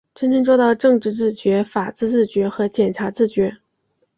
真正做到政治自觉、法治自觉和检察自觉